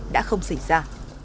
đã không xảy ra